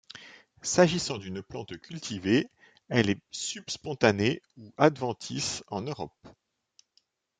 S'agissant d'une plante cultivée, elle est subspontanée ou adventice en Europe.